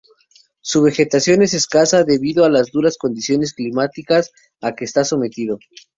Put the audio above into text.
Su vegetación es escasa debido a las duras condiciones climáticas a que está sometido.